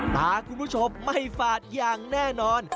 ตาคุณผู้ชมไม่ฝาดอย่างแน่นอน